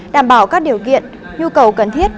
đảm bảo các điều kiện nhu cầu cần thiết